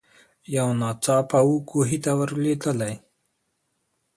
یو ناڅاپه وو کوهي ته ور لوېدلې